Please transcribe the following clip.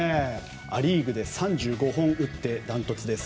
ア・リーグで３５本打ってダントツです。